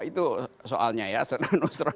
itu soalnya ya saudara nusron